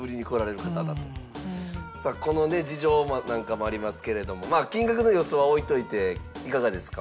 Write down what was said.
さあこのね事情なんかもありますけれども金額の予想は置いといていかがですか？